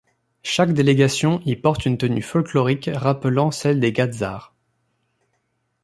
Chaque délégation y porte une tenue folklorique rappelant celle des Gadzarts.